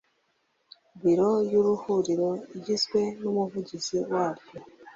Biro y ihuriro igizwe n umuvugizi waryo